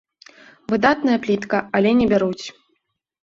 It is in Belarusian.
Выдатная плітка, але не бяруць.